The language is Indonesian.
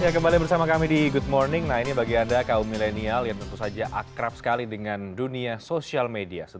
ya kembali bersama kami di good morning nah ini bagi anda kaum milenial yang tentu saja akrab sekali dengan dunia sosial media